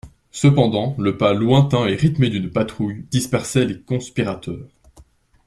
Cependant le pas lointain et rythmé d'une patrouille dispersait les conspirateurs.